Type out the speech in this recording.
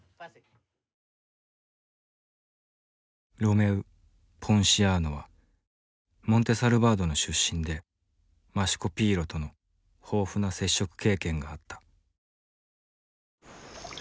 ロメウ・ポンシアーノはモンテ・サルバードの出身でマシュコピーロとの豊富な接触経験があった。